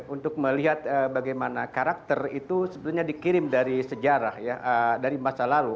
untuk melihat bagaimana karakter itu sebenarnya dikirim dari sejarah ya dari masa lalu